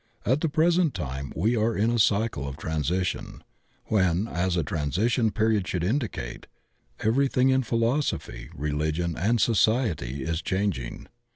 And at &e present time we are in a cycle of transition, when, as a transition period should indicate, everything in philosophy, religion and society is changing.